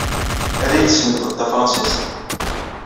Ad iyi-teslemded tafṛensist?